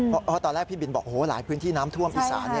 เพราะตอนแรกพี่บินบอกหลายพื้นที่น้ำท่วมอีสาน